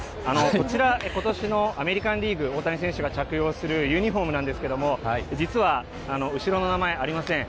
こちら、ことしのアメリカンリーグ、大谷選手が着用するユニホームなんですけれども、実は後ろの名前、ありません。